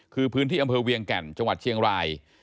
คือพื้นที่อำเภอเวียงแก่นจังหวัดเชียงราย